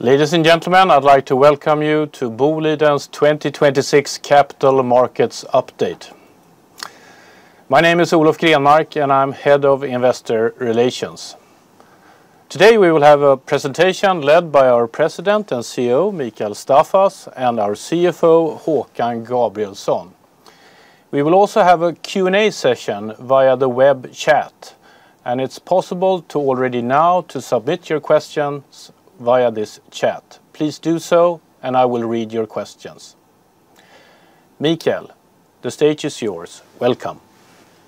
Ladies and gentlemen, I'd like to welcome you to Boliden's 2026 capital markets update. My name is Olof Grenmark, and I'm Head of Investor Relations. Today, we will have a presentation led by our President and CEO, Mikael Staffas, and our CFO, Håkan Gabrielsson. We will also have a Q&A session via the web chat, and it's possible to already now to submit your questions via this chat. Please do so, and I will read your questions. Mikael, the stage is yours. Welcome.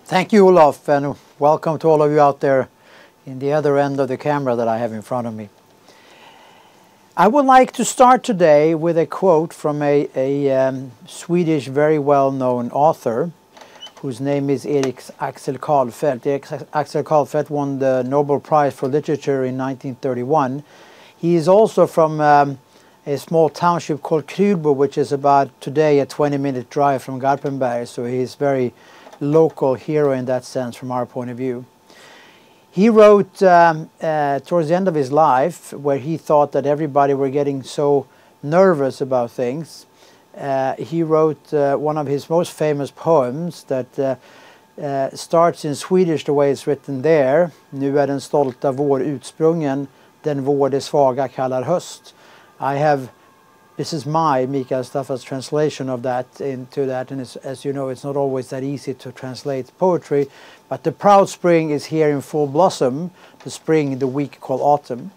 Thank you, Olof, and welcome to all of you out there in the other end of the camera that I have in front of me. I would like to start today with a quote from a Swedish very well-known author whose name is Erik Axel Karlfeldt. Erik Axel Karlfeldt won the Nobel Prize in Literature in 1931. He is also from a small township called Karlbo, which is about today a 20-minute drive from Garpenberg, so he's very local hero in that sense from our point of view. He wrote towards the end of his life, where he thought that everybody were getting so nervous about things, he wrote one of his most famous poems that starts in Swedish the way it's written there, "Nu är den stolta vår utsprungen, den vår de svaga kallar höst." This is my Mikael Staffas translation of that into that, and as you know, it's not always that easy to translate poetry. The proud spring is here in full blossom. The spring, the weak call autumn.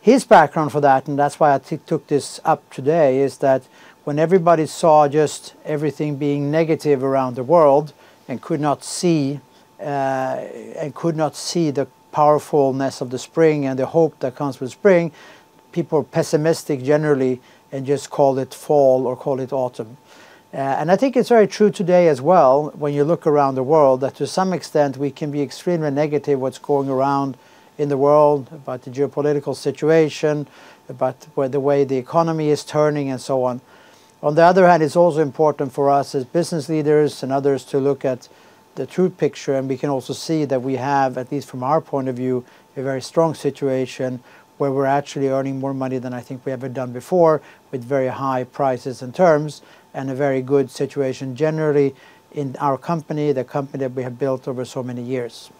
His background for that, and that's why I took this up today, is that when everybody saw just everything being negative around the world and could not see the powerfulness of the spring and the hope that comes with spring, people are pessimistic generally and just call it fall or call it autumn. I think it's very true today as well, when you look around the world, that to some extent we can be extremely negative what's going around in the world about the geopolitical situation, about where the way the economy is turning, and so on. On the other hand, it's also important for us as business leaders and others to look at the true picture, and we can also see that we have, at least from our point of view, a very strong situation where we're actually earning more money than I think we've ever done before, with very high prices and terms and a very good situation generally in our company, the company that we have built over so many years.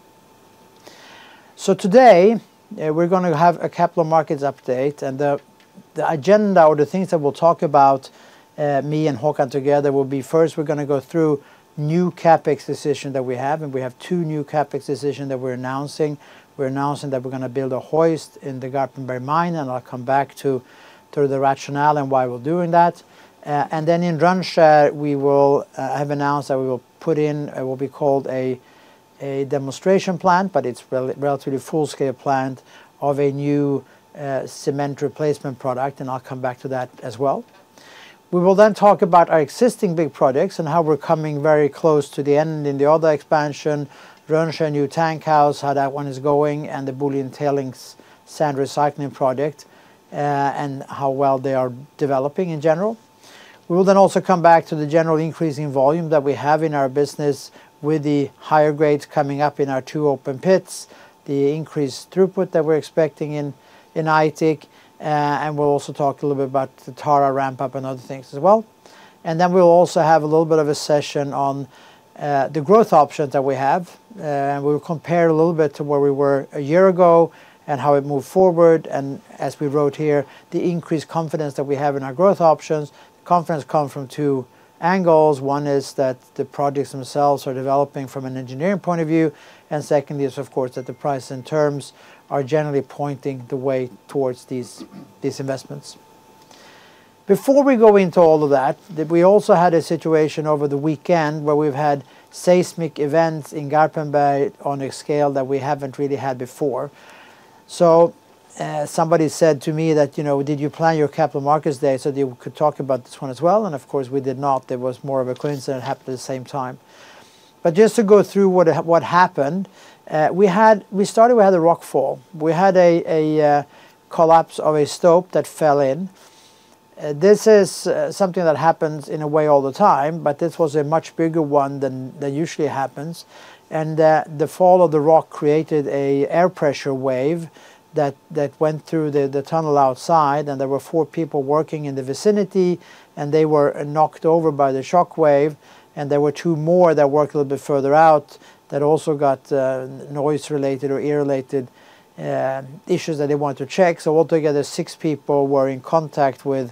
Today, we're gonna have a capital markets update, and the agenda or the things that we'll talk about, me and Håkan together, will be first, we're gonna go through new CapEx decision that we have, and we have two new CapEx decisions that we're announcing. We're announcing that we're gonna build a hoist in the Garpenberg mine, and I'll come back to the rationale and why we're doing that. And then in Rönnskär, we will have announced that we will put in what will be called a demonstration plant, but it's relatively full scale plant of a new cement replacement product, and I'll come back to that as well. We will then talk about our existing big projects and how we're coming very close to the end in the other expansion, Rönnskär new tank house, how that one is going, and the Boliden tailings sand recycling project, and how well they are developing in general. We will then also come back to the general increase in volume that we have in our business with the higher grades coming up in our two open pits, the increased throughput that we're expecting in Aitik, and we'll also talk a little bit about the Tara ramp up and other things as well. We'll also have a little bit of a session on the growth options that we have, and we'll compare a little bit to where we were a year ago and how it moved forward and, as we wrote here, the increased confidence that we have in our growth options. Confidence come from two angles. One is that the projects themselves are developing from an engineering point of view, and second is, of course, that the price and terms are generally pointing the way towards these investments. Before we go into all of that, we also had a situation over the weekend where we've had seismic events in Garpenberg on a scale that we haven't really had before. Somebody said to me that, you know, "Did you plan your Capital Markets Day so that you could talk about this one as well?" Of course, we did not. It was more of a coincidence that it happened at the same time. Just to go through what happened, we had a rockfall. We had a collapse of a stope that fell in. This is something that happens in a way all the time, but this was a much bigger one than usually happens. The fall of the rock created an air pressure wave that went through the tunnel outside, and there were four people working in the vicinity, and they were knocked over by the shock wave, and there were two more that worked a little bit further out that also got noise-related or ear-related issues that they wanted to check. Altogether, six people were in contact with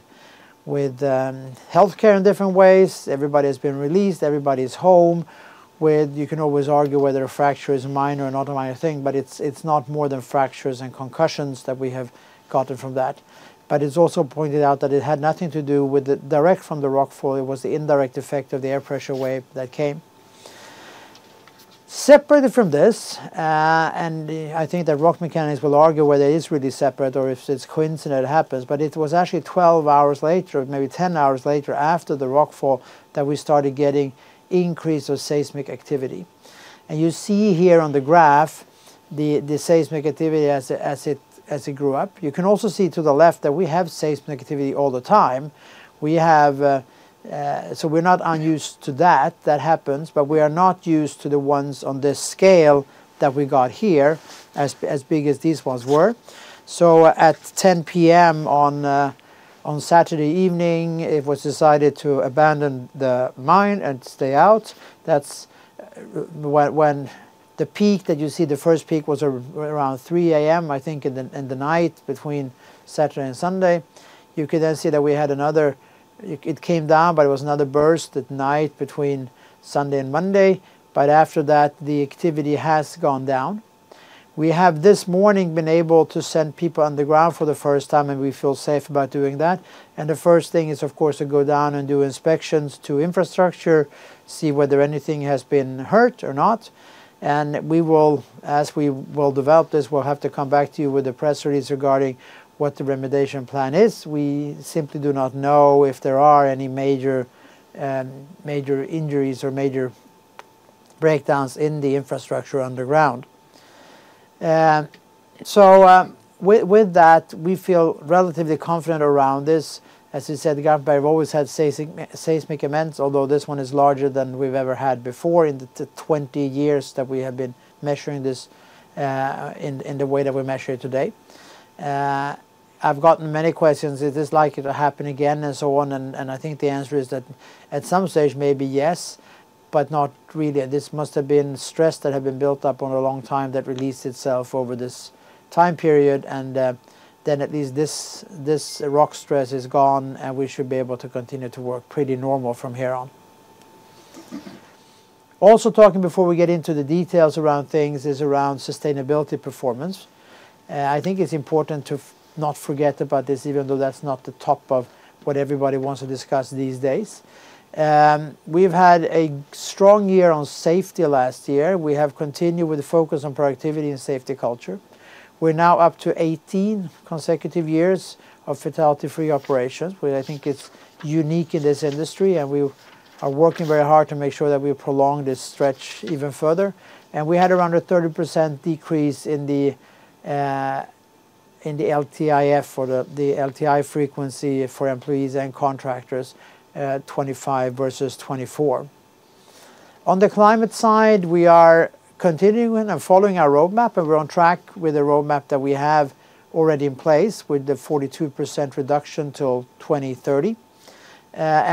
healthcare in different ways. Everybody has been released. Everybody's home. You can always argue whether a fracture is minor or not a minor thing, but it's not more than fractures and concussions that we have gotten from that. It's also pointed out that it had nothing to do with the direct from the rockfall. It was the indirect effect of the air pressure wave that came. Separated from this, I think the rock mechanics will argue whether it is really separate or if this coincidence happens, but it was actually 12 hours later, maybe 10 hours later, after the rockfall that we started getting an increase in seismic activity. You see here on the graph the seismic activity as it grew up. You can also see to the left that we have seismic activity all the time. We're not unused to that. That happens, but we are not used to the ones on this scale that we got here as big as these ones were. At 10 PM on Saturday evening, it was decided to abandon the mine and stay out. That's when the peak that you see, the first peak was around 3:00 AM, I think, in the night between Saturday and Sunday. You can then see that we had another. It came down, but it was another burst at night between Sunday and Monday. After that, the activity has gone down. We have this morning been able to send people on the ground for the first time, and we feel safe about doing that. The first thing is, of course, to go down and do inspections to infrastructure, see whether anything has been hurt or not. As we will develop this, we'll have to come back to you with a press release regarding what the remediation plan is. We simply do not know if there are any major injuries or major breakdowns in the infrastructure underground. With that, we feel relatively confident around this. As I said, the Garpenberg always had seismic events, although this one is larger than we've ever had before in the 20 years that we have been measuring this, in the way that we measure it today. I've gotten many questions, is this likely to happen again, and so on. I think the answer is that at some stage, maybe yes, but not really. This must have been stress that had been built up over a long time that released itself over this time period. At least this rock stress is gone, and we should be able to continue to work pretty normal from here on. Also talking before we get into the details around things is around sustainability performance. I think it's important to forget about this even though that's not the top of what everybody wants to discuss these days. We've had a strong year on safety last year. We have continued with the focus on productivity and safety culture. We're now up to 18 consecutive years of fatality-free operations, which I think is unique in this industry, and we are working very hard to make sure that we prolong this stretch even further. We had around a 30% decrease in the LTIF or the LTI frequency for employees and contractors, 25 vs. 24. On the climate side, we are continuing and following our roadmap, and we're on track with the roadmap that we have already in place with the 42% reduction till 2030.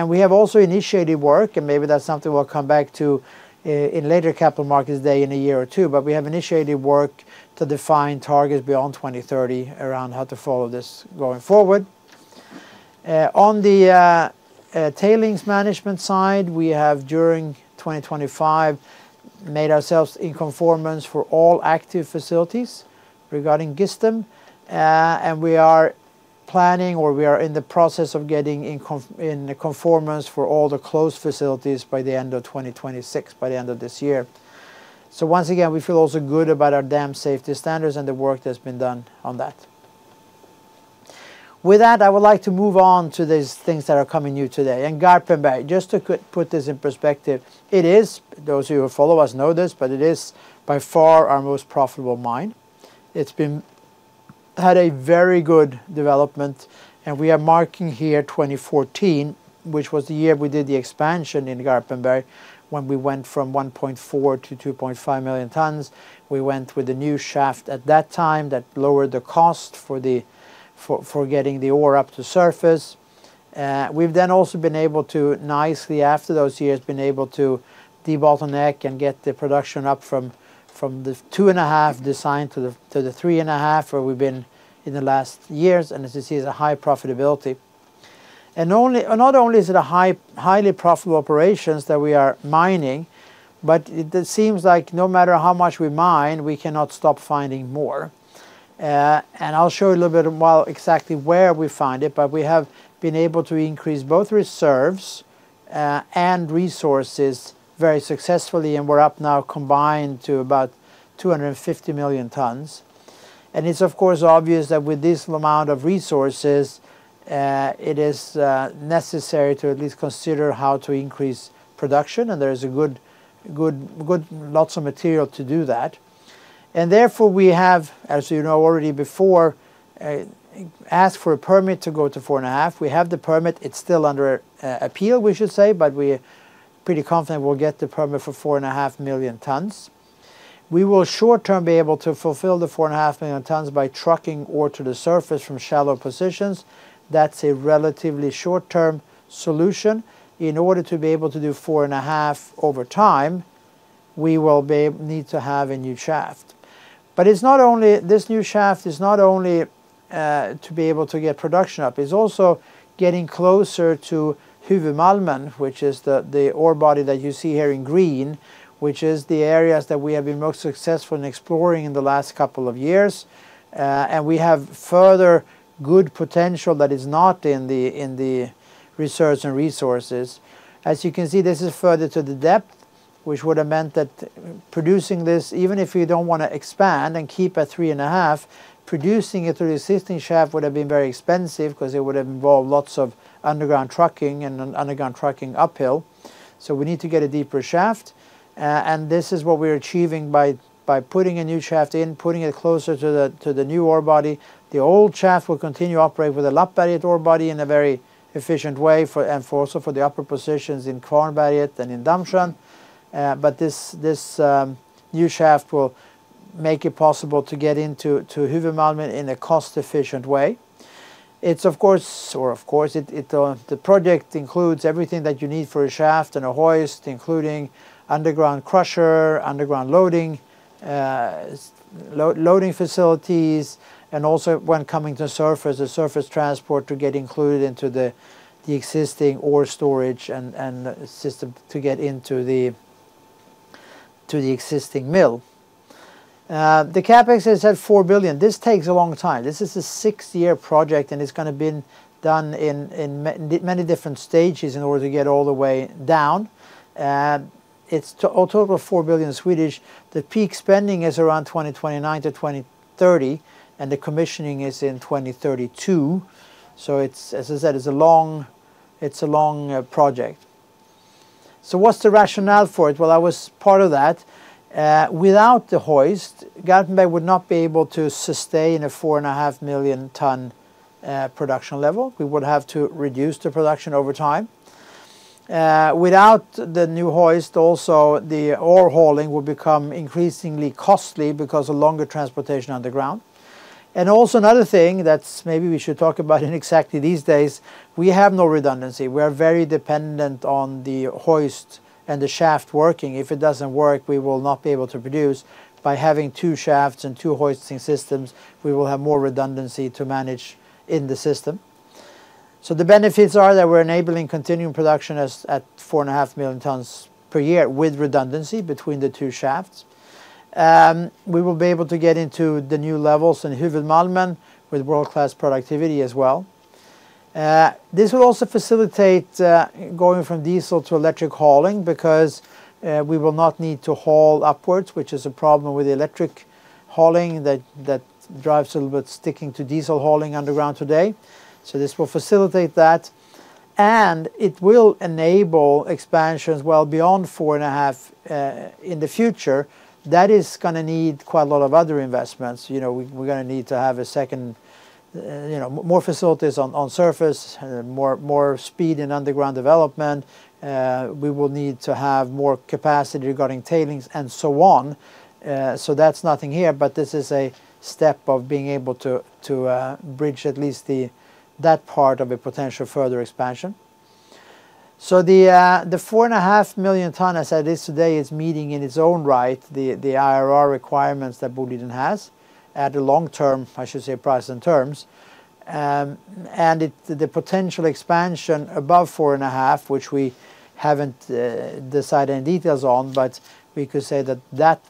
We have also initiated work, and maybe that's something we'll come back to in later Capital Markets Day in a year or two. We have initiated work to define targets beyond 2030 around how to follow this going forward. On the tailings management side, we have, during 2025, made ourselves in conformance for all active facilities regarding GISTM. We are planning, or we are in the process of getting in conformance for all the closed facilities by the end of 2026, by the end of this year. Once again, we feel also good about our dam safety standards and the work that's been done on that. With that, I would like to move on to these things that are coming new today. Garpenberg, just to put this in perspective, it is, those of you who follow us know this, but it is by far our most profitable mine. It had a very good development, and we are marking here 2014, which was the year we did the expansion in Garpenberg when we went from 1.4 to 2.5 million tons. We went with a new shaft at that time that lowered the cost for the, for getting the ore up to surface. We've then also been able to nicely, after those years, been able to de-bottleneck and get the production up from the two and a half design to the three and a half where we've been in the last years. As you see, it's a high profitability. Not only is it a highly profitable operations that we are mining, but it seems like no matter how much we mine, we cannot stop finding more. I'll show you a little bit about where exactly we find it, but we have been able to increase both reserves and resources very successfully, and we're up now combined to about 250 million tons. It's of course obvious that with this amount of resources, it is necessary to at least consider how to increase production. There is a good lots of material to do that. Therefore, we have, as you know already before, asked for a permit to go to 4.5. We have the permit. It's still under appeal, we should say, but we're pretty confident we'll get the permit for 4.5 million tons. We will short-term be able to fulfill the 4.5 million tons by trucking ore to the surface from shallow positions. That's a relatively short-term solution. In order to be able to do 4.5 over time, we will need to have a new shaft. But this new shaft is not only to be able to get production up. It's also getting closer to Huvudmalmen, which is the ore body that you see here in green, which is the areas that we have been most successful in exploring in the last couple of years. We have further good potential that is not in the reserves and resources. As you can see, this is further to the depth, which would have meant that producing this, even if you don't wanna expand and keep at 3.5, producing it through the existing shaft would have been very expensive 'cause it would have involved lots of underground trucking uphill. We need to get a deeper shaft. This is what we're achieving by putting a new shaft in, putting it closer to the new ore body. The old shaft will continue to operate with the Lappberget ore body in a very efficient way for the upper positions in Kvarnberget and in Dammsjön. This new shaft will make it possible to get into Huvudmalmen in a cost-efficient way. The project includes everything that you need for a shaft and a hoist, including underground crusher, underground loading facilities, and also when coming to surface, the surface transport to get included into the existing ore storage and system to get into the existing mill. The CapEx is 4 billion. This takes a long time. This is a six-year project, and it's gonna been done in many different stages in order to get all the way down. It's a total of 4 billion. The peak spending is around 2029-2030, and the commissioning is in 2032. It's a long project, as I said. What's the rationale for it? Well, I was part of that. Without the hoist, Garpenberg would not be able to sustain a 4.5 million ton production level. We would have to reduce the production over time. Without the new hoist also, the ore hauling will become increasingly costly because of longer transportation underground. Also another thing that's maybe we should talk about in exactly these days, we have no redundancy. We are very dependent on the hoist and the shaft working. If it doesn't work, we will not be able to produce. By having two shafts and two hoisting systems, we will have more redundancy to manage in the system. The benefits are that we're enabling continuing production as at 4.5 million tons per year with redundancy between the two shafts. We will be able to get into the new levels in Huvudmalmen with world-class productivity as well. This will also facilitate going from diesel to electric hauling because we will not need to haul upwards, which is a problem with the electric hauling that drives a little bit sticking to diesel hauling underground today. This will facilitate that, and it will enable expansion as well beyond 4.5 in the future. That is gonna need quite a lot of other investments. You know, we're gonna need to have a second, you know, more facilities on surface, more speed in underground development. We will need to have more capacity regarding tailings and so on. That's nothing here, but this is a step of being able to bridge at least that part of a potential further expansion. The 4.5 million tons, as I said, this today is meeting in its own right the IRR requirements that Boliden has at the long-term, I should say, price and terms. The potential expansion above 4.5, which we haven't decided any details on, but we could say that that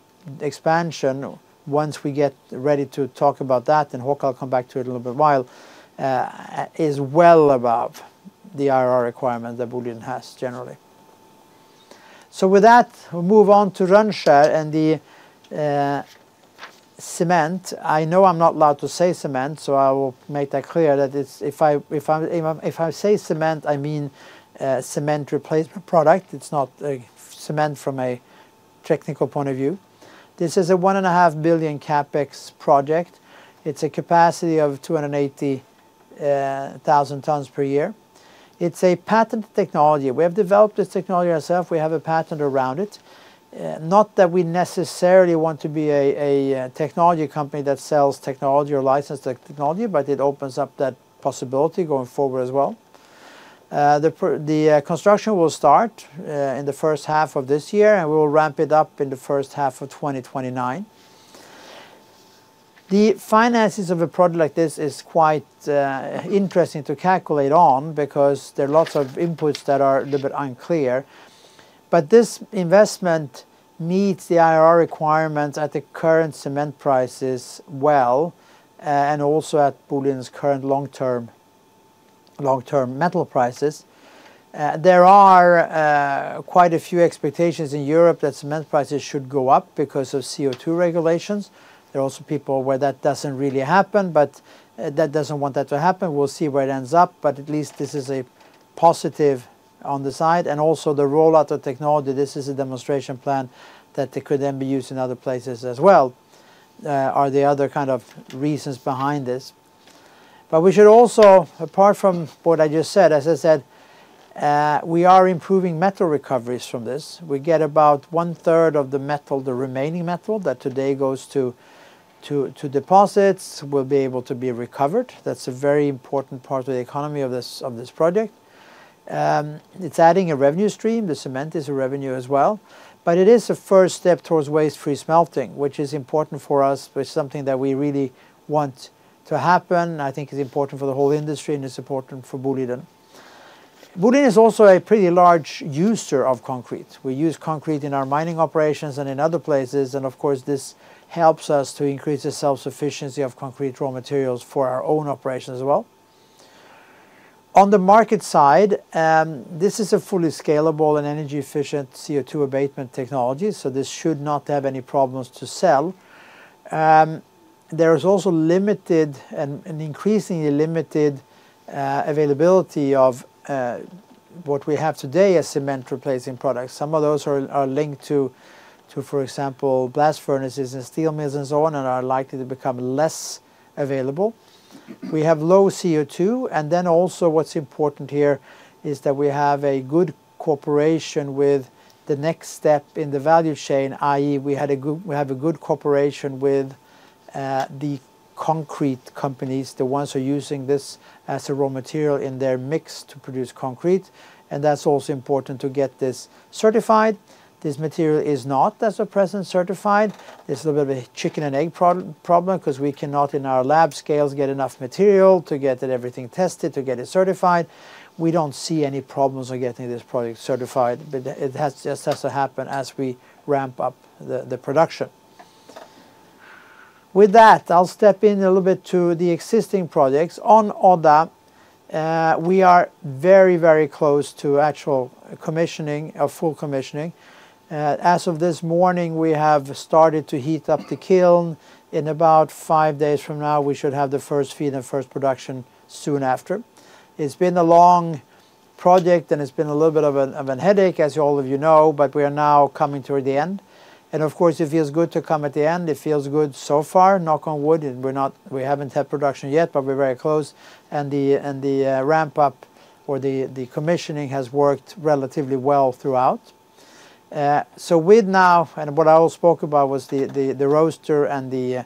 expansion, once we get ready to talk about that, and Håkan will come back to it a little bit, is well above the IRR requirement that Boliden has generally. With that, we'll move on to Rönnskär and the cement. I know I'm not allowed to say cement, so I will make that clear that if I say cement, I mean cement replacement product. It's not a cement from a technical point of view. This is a 1.5 billion CapEx project. It's a capacity of 280,000 tons per year. It's a patent technology. We have developed this technology ourself. We have a patent around it. Not that we necessarily want to be a technology company that sells technology or licensed technology, but it opens up that possibility going forward as well. The construction will start in the first half of this year, and we will ramp it up in the first half of 2029. The finances of a product like this is quite interesting to calculate on because there are lots of inputs that are a little bit unclear. This investment meets the IRR requirements at the current cement prices well, and also at Boliden's current long-term metal prices. There are quite a few expectations in Europe that cement prices should go up because of CO2 regulations. There are also people who think that won't really happen, but they don't want that to happen. We'll see where it ends up, but at least this is a positive on the side and also the rollout of technology. This is a demonstration plant that it could then be used in other places as well. Those are the other kind of reasons behind this. We should also, apart from what I just said, as I said, we are improving metal recoveries from this. We get about one-third of the metal, the remaining metal that today goes to deposits will be able to be recovered. That's a very important part of the economy of this project. It's adding a revenue stream. The cement is a revenue as well. It is a first step towards waste-free smelting, which is important for us, but it's something that we really want to happen. I think it's important for the whole industry, and it's important for Boliden. Boliden is also a pretty large user of concrete. We use concrete in our mining operations and in other places, and of course, this helps us to increase the self-sufficiency of concrete raw materials for our own operations as well. On the market side, this is a fully scalable and energy-efficient CO2 abatement technology, so this should not have any problems to sell. There is also limited and increasingly limited availability of what we have today as cement-replacing products. Some of those are linked to, for example, blast furnaces and steel mills and so on and are likely to become less available. We have low CO2. Then also what's important here is that we have a good cooperation with the next step in the value chain, i.e., we have a good cooperation with the concrete companies, the ones who are using this as a raw material in their mix to produce concrete. That's also important to get this certified. This material is not, as of present, certified. This is a little bit of a chicken and egg problem 'cause we cannot, in our lab scale, get enough material to get everything tested to get it certified. We don't see any problems with getting this product certified, but this has to happen as we ramp up the production. With that, I'll step in a little bit to the existing projects. On Odda, we are very, very close to actual commissioning or full commissioning. As of this morning, we have started to heat up the kiln. In about five days from now, we should have the first feed and first production soon after. It's been a long project, and it's been a little bit of a headache, as all of you know, but we are now coming toward the end. Of course, it feels good to come at the end. It feels good so far. Knock on wood, we haven't had production yet, but we're very close. The ramp up or the commissioning has worked relatively well throughout. What I also spoke about was the roaster and the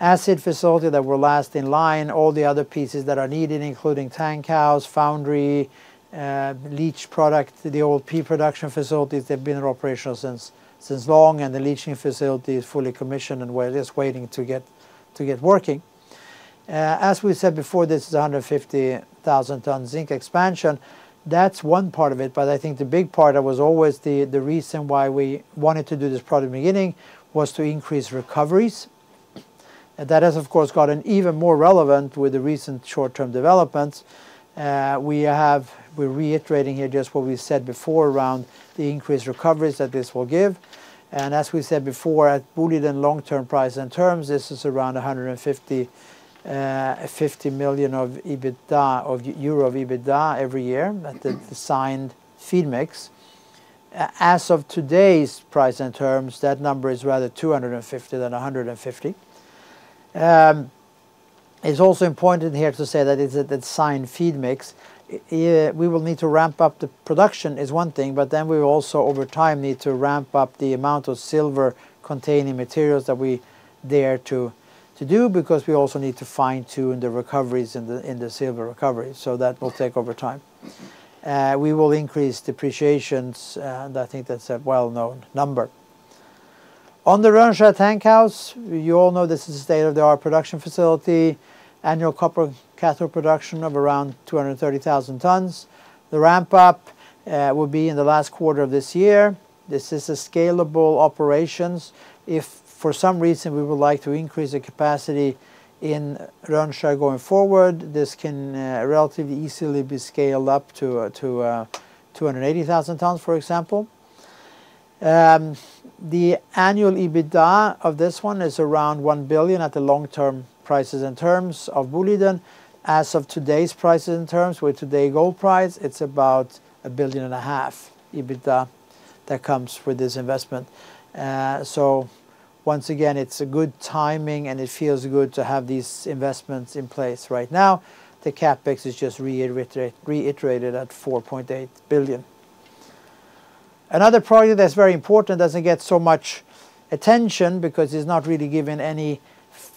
acid facility that were last in line, all the other pieces that are needed, including tank house, foundry, leach product, the old P production facilities. They've been in operation since long, and the leaching facility is fully commissioned, and we're just waiting to get working. As we said before, this is a 150,000-ton zinc expansion. That's one part of it. I think the big part that was always the reason why we wanted to do this project in the beginning was to increase recoveries. That has, of course, gotten even more relevant with the recent short-term developments. We're reiterating here just what we said before around the increased recoveries that this will give. As we said before, at Boliden long-term price and terms, this is around 150 million of EBITDA every year at the signed feed mix. As of today's price and terms, that number is rather 250 million than 150 million. It's also important here to say that it's a designed feed mix. We will need to ramp up the production is one thing, but then we will also over time need to ramp up the amount of silver-containing materials that we dare to do because we also need to fine-tune the recoveries in the silver recovery. That will take over time. We will increase depreciations, and I think that's a well-known number. On the Rönnskär tank house, you all know this is a state-of-the-art production facility, annual copper cathode production of around 230,000 tons. The ramp-up will be in the last quarter of this year. This is a scalable operations. If for some reason we would like to increase the capacity in Rönnskär going forward, this can relatively easily be scaled up to 280,000 tons, for example. The annual EBITDA of this one is around 1 billion at the long-term prices in terms of Boliden. As of today's prices in terms of today's gold price, it's about 1.5 billion EBITDA that comes with this investment. Once again, it's a good timing, and it feels good to have these investments in place right now. The CapEx is just reiterated at 4.8 billion. Another project that's very important doesn't get so much attention because it's not really given any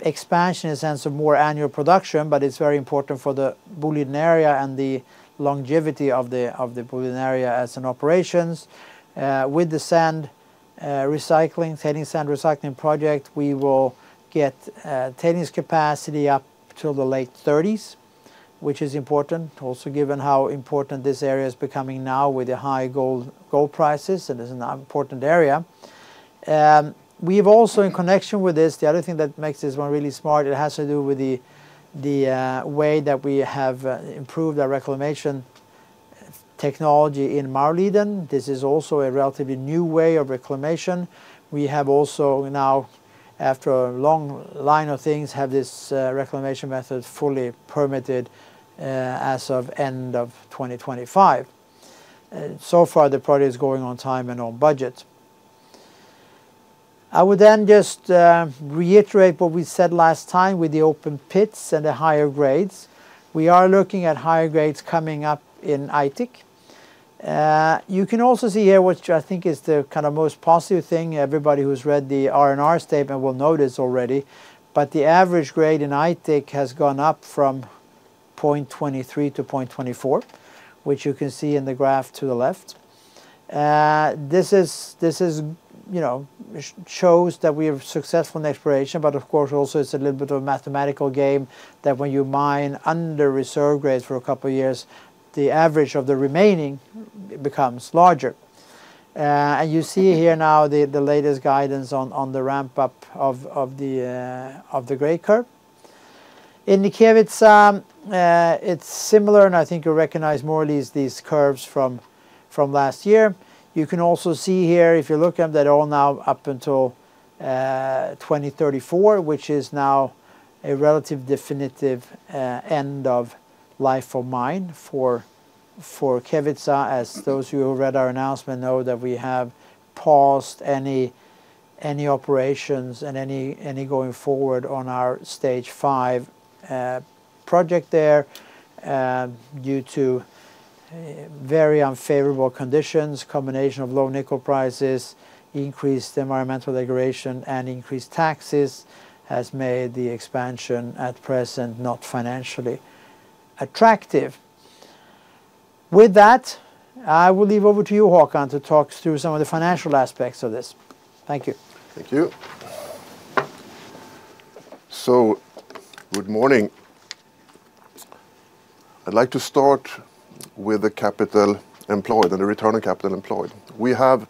expansion in the sense of more annual production, but it's very important for the Boliden area and the longevity of the Boliden area as an operations. With the sand recycling, tailings sand recycling project, we will get Renström's capacity up till the late thirties, which is important. Also, given how important this area is becoming now with the high gold prices, it is an important area. We've also in connection with this, the other thing that makes this one really smart, it has to do with the way that we have improved our reclamation technology in Maurliden. This is also a relatively new way of reclamation. We have also now, after a long line of things, have this reclamation method fully permitted, as of end of 2025. So far the project is going on time and on budget. I would then just reiterate what we said last time with the open pits and the higher grades. We are looking at higher grades coming up in Aitik. You can also see here, which I think is the kind of most positive thing everybody who's read the R&R statement will notice already. The average grade in Aitik has gone up from 0.23% to 0.24%, which you can see in the graph to the left. This is, you know, shows that we have successful exploration, but of course, also it's a little bit of a mathematical game that when you mine under reserve grades for a couple of years, the average of the remaining becomes larger. You see here now the latest guidance on the ramp-up of the gray curve. In Kevitsa, it's similar, and I think you recognize more of these curves from last year. You can also see here, if you look at that all now up until 2034, which is now a relatively definitive end of life of mine for Kevitsa, as those who have read our announcement know that we have paused any operations and any going forward on our stage five project there due to very unfavorable conditions. Combination of low nickel prices, increased environmental degradation, and increased taxes has made the expansion at present not financially attractive. With that, I will hand over to you, Håkan, to talk through some of the financial aspects of this. Thank you. Thank you. Good morning. I'd like to start with the capital employed, or the return on capital employed. We have,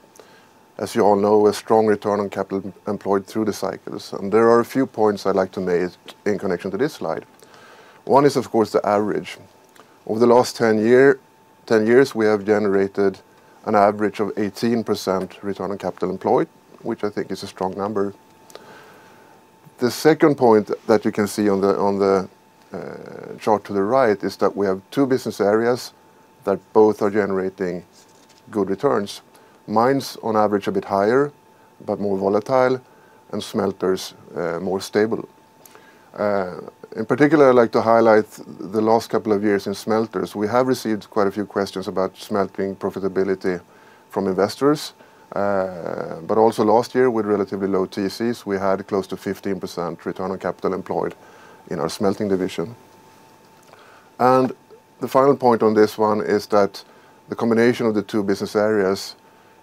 as you all know, a strong return on capital employed through the cycles, and there are a few points I'd like to make in connection to this slide. One is, of course, the average. Over the last 10 years, we have generated an average of 18% return on capital employed, which I think is a strong number. The second point that you can see on the chart to the right is that we have two business areas that both are generating good returns. Mines on average a bit higher, but more volatile, and smelters more stable. In particular, I'd like to highlight the last couple of years in smelters. We have received quite a few questions about smelting profitability from investors. Last year with relatively low TCs, we had close to 15% return on capital employed in our smelting division. The final point on this one is that the combination of the two business areas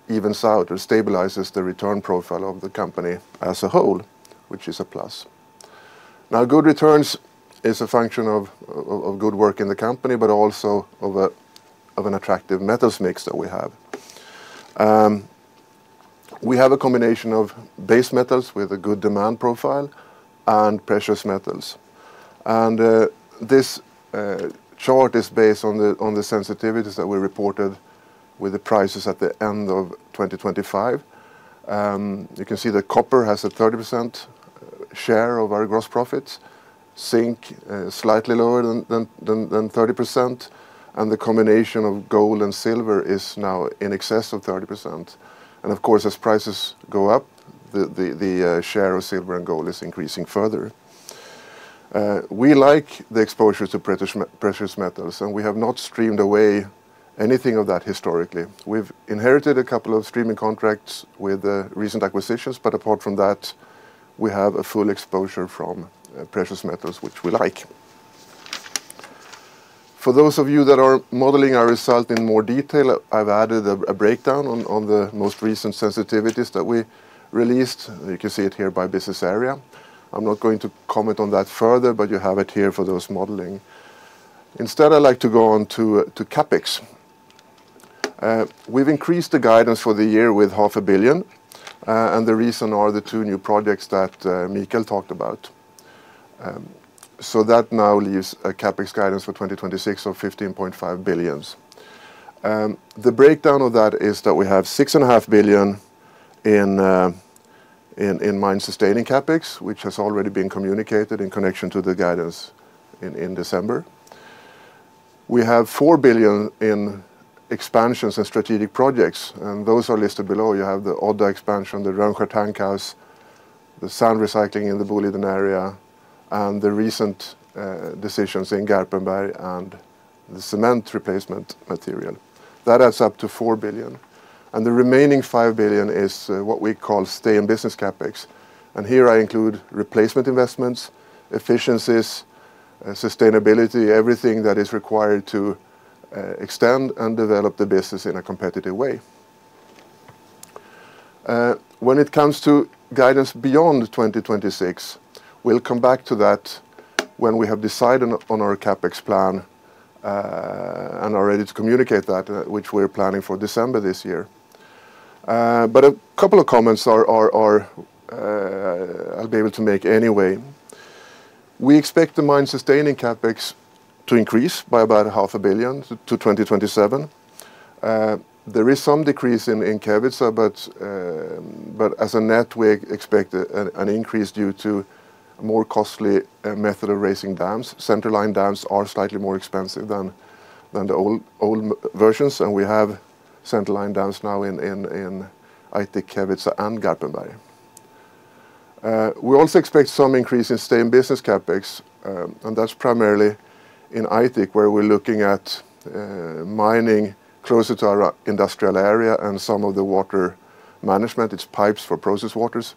evens out or stabilizes the return profile of the company as a whole, which is a plus. Now good returns is a function of good work in the company, but also of an attractive metals mix that we have. We have a combination of base metals with a good demand profile and precious metals. This chart is based on the sensitivities that we reported with the prices at the end of 2025. You can see that copper has a 30% share of our gross profits, zinc slightly lower than 30%, and the combination of gold and silver is now in excess of 30%. Of course, as prices go up, the share of silver and gold is increasing further. We like the exposure to precious metals, and we have not streamed away anything of that historically. We've inherited a couple of streaming contracts with the recent acquisitions, but apart from that, we have a full exposure from precious metals which we like. For those of you that are modeling our result in more detail, I've added a breakdown on the most recent sensitivities that we released. You can see it here by business area. I'm not going to comment on that further, but you have it here for those modeling. Instead, I'd like to go on to CapEx. We've increased the guidance for the year with SEK half a billion, and the reason are the two new projects that Mikael talked about. That now leaves a CapEx guidance for 2026 of 15.5 billion. The breakdown of that is that we have 6.5 billion in mine-sustaining CapEx, which has already been communicated in connection to the guidance in December. We have 4 billion in expansions and strategic projects, and those are listed below. You have the Odda expansion, the Rönnskär tank house, the sand recycling in the Boliden area, and the recent decisions in Garpenberg and the cement replacement material. That adds up to 4 billion. The remaining 5 billion is what we call "stay in business" CapEx. Here I include replacement investments, efficiencies, sustainability, everything that is required to extend and develop the business in a competitive way. When it comes to guidance beyond 2026, we'll come back to that when we have decided on our CapEx plan and are ready to communicate that, which we're planning for December this year. A couple of comments are. I'll be able to make anyway. We expect the mine-sustaining CapEx to increase by about SEK half a billion to 2027. There is some decrease in Kevitsa, but as a net we expect an increase due to more costly method of raising dams. Centerline dams are slightly more expensive than the old versions, and we have centerline dams now in Aitik, Kevitsa, and Garpenberg. We also expect some increase in stay-in-business CapEx, and that's primarily in Aitik, where we're looking at mining closer to our industrial area and some of the water management. It's pipes for process waters.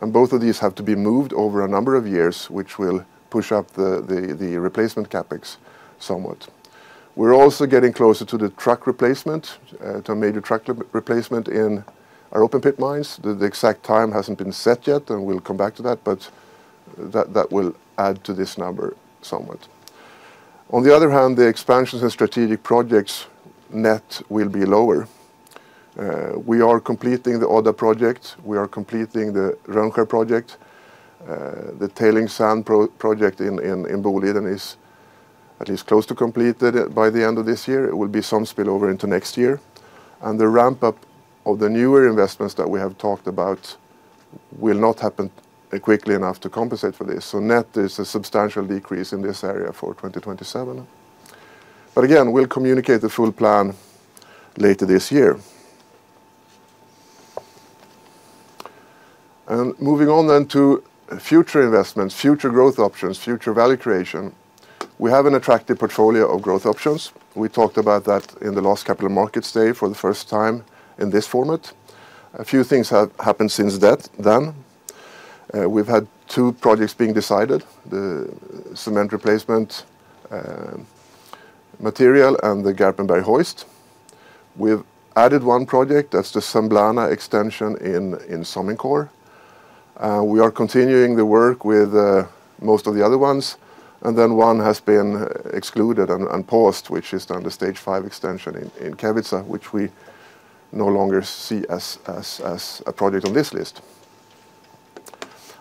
Both of these have to be moved over a number of years, which will push up the replacement CapEx somewhat. We're also getting closer to the truck replacement to a major truck replacement in our open pit mines. The exact time hasn't been set yet, and we'll come back to that, but that will add to this number somewhat. On the other hand, the expansions and strategic projects net will be lower. We are completing the Odda project. We are completing the Rönnskär project. The tailings sand project in Boliden is at least close to completed by the end of this year. It will be some spillover into next year. The ramp-up of the newer investments that we have talked about will not happen quickly enough to compensate for this. Net, there's a substantial decrease in this area for 2027. Again, we'll communicate the full plan later this year. Moving on to future investments, future growth options, future value creation. We have an attractive portfolio of growth options. We talked about that in the last capital markets day for the first time in this format. A few things have happened since that. We've had two projects being decided, the cement replacement material and the Garpenberg hoist. We've added one project, that's the Semblana extension in Somincor. We are continuing the work with most of the other ones, and then one has been excluded and paused, which is the Kevitsa stage five, which we no longer see as a project on this list.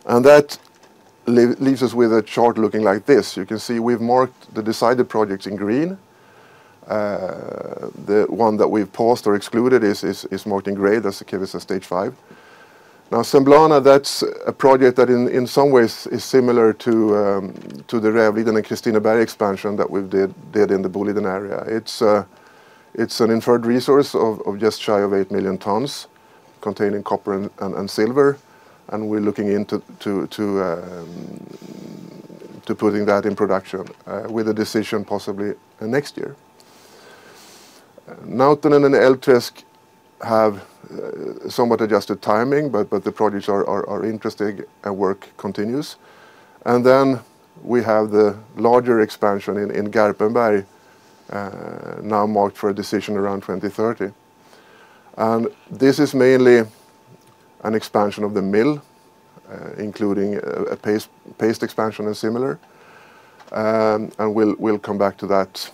That leaves us with a chart looking like this. You can see we've marked the decided projects in green. The one that we've paused or excluded is marked in gray. That's the Kevitsa stage five. Now Semblana, that's a project that in some ways is similar to the Rävliden and Kristineberg expansion that we did in the Boliden area. It's an inferred resource of just shy of 8 million tons containing copper and silver, and we're looking into putting that in production with a decision possibly next year. Nautanen and Älvträsk have somewhat adjusted timing, but the projects are interesting and work continues. We have the larger expansion in Garpenberg, now marked for a decision around 2030. This is mainly an expansion of the mill, including a paste expansion and similar. We'll come back to that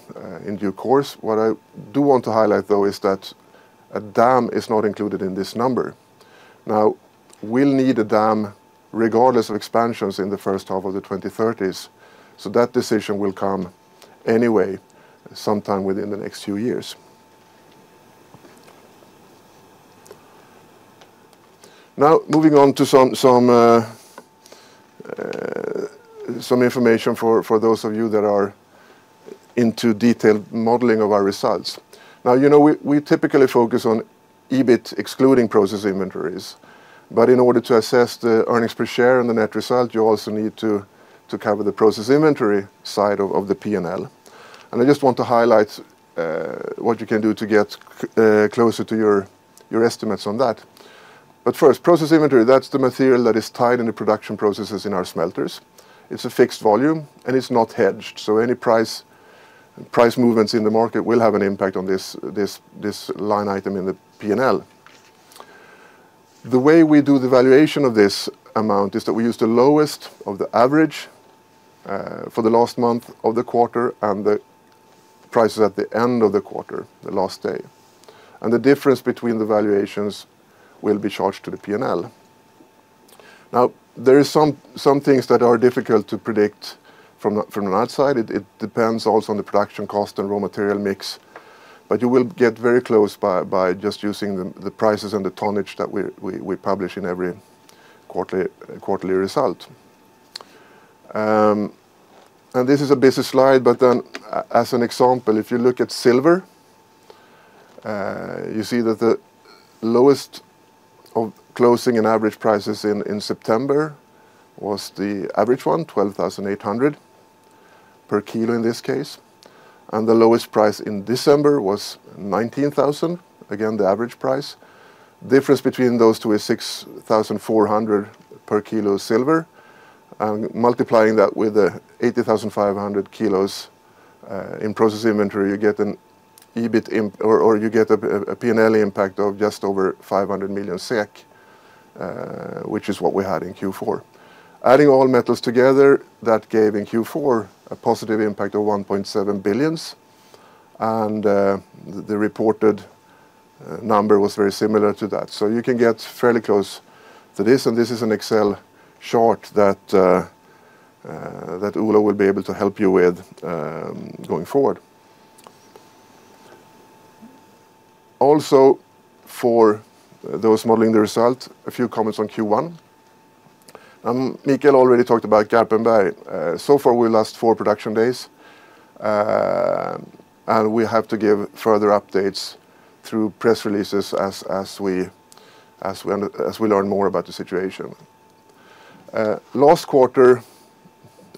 in due course. What I do want to highlight though is that a dam is not included in this number. Now, we'll need a dam regardless of expansions in the first half of the 2030s. That decision will come anyway sometime within the next few years. Now, moving on to some information for those of you that are into detailed modeling of our results. You know, we typically focus on EBIT excluding process inventories. In order to assess the earnings per share and the net result, you also need to cover the process inventory side of the P&L. I just want to highlight what you can do to get closer to your estimates on that. First, process inventory, that's the material that is tied in the production processes in our smelters. It's a fixed volume, and it's not hedged. So any price movements in the market will have an impact on this line item in the P&L. The way we do the valuation of this amount is that we use the lowest of the average for the last month of the quarter and the prices at the end of the quarter, the last day. The difference between the valuations will be charged to the P&L. Now, there are some things that are difficult to predict from the outside. It depends also on the production cost and raw material mix. You will get very close by just using the prices and the tonnage that we publish in every quarterly result. This is a busy slide, but then as an example, if you look at silver, you see that the lowest of closing and average prices in September was the average 12,800 per kilo in this case. The lowest price in December was 19,000. Again, the average price. Difference between those two is 6,400 per kilo silver. Multiplying that with the 80,500 kilos in process inventory, you get a P&L impact of just over 500 million SEK, which is what we had in Q4. Adding all metals together, that gave in Q4 a positive impact of 1.7 billion SEK. The reported number was very similar to that. You can get fairly close to this, and this is an Excel chart that Ula will be able to help you with, going forward. Also, for those modeling the result, a few comments on Q1. Mikael already talked about Garpenberg. So far we lost four production days, and we have to give further updates through press releases as we learn more about the situation. Last quarter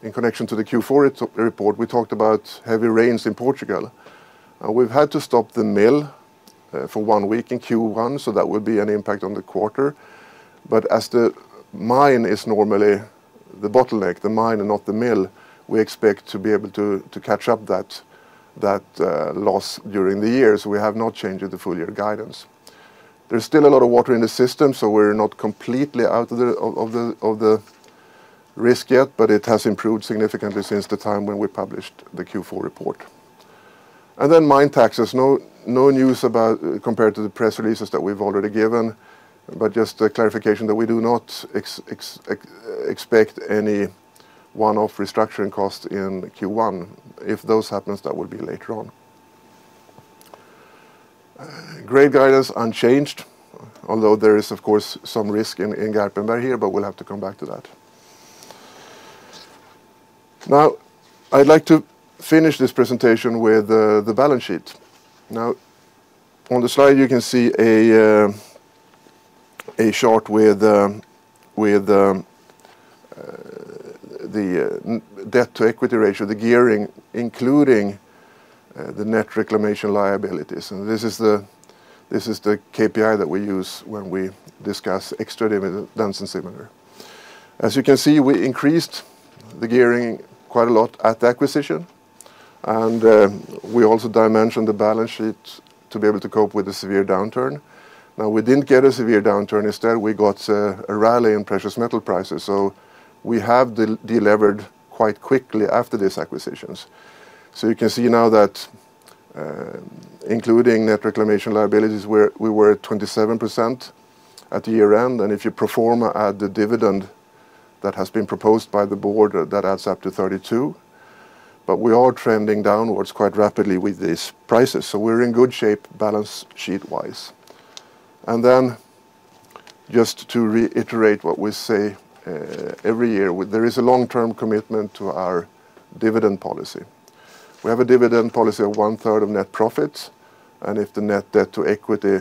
in connection to the Q4 report, we talked about heavy rains in Portugal. We've had to stop the mill for one week in Q1, so that would be an impact on the quarter. As the mine is normally the bottleneck, the mine and not the mill, we expect to be able to catch up that loss during the years. We have not changed the full year guidance. There's still a lot of water in the system, so we're not completely out of the risk yet, but it has improved significantly since the time when we published the Q4 report. Mine taxes. No news compared to the press releases that we've already given, but just a clarification that we do not expect any one-off restructuring cost in Q1. If that happens, that will be later on. Great guidance unchanged, although there is, of course, some risk in Garpenberg here, but we'll have to come back to that. Now, I'd like to finish this presentation with the balance sheet. Now, on the slide you can see a chart with the net debt to equity ratio, the gearing including the net reclamation liabilities, and this is the KPI that we use when we discuss extra dividends and similar. As you can see, we increased the gearing quite a lot at the acquisition, and we also dimensioned the balance sheet to be able to cope with the severe downturn. Now, we didn't get a severe downturn, instead we got a rally in precious metal prices, so we have delevered quite quickly after these acquisitions. You can see now that, including net reclamation liabilities we were at 27% at the year-end, and if you pro forma add the dividend that has been proposed by the board, that adds up to 32%. We are trending downwards quite rapidly with these prices, so we're in good shape balance sheet-wise. Then just to reiterate what we say every year, there is a long-term commitment to our dividend policy. We have a dividend policy of one-third of net profits, and if the net debt to equity